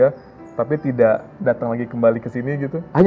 ada gak sih pak caleg yang sudah berhasil menang